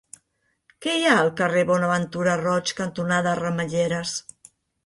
Què hi ha al carrer Bonaventura Roig cantonada Ramelleres?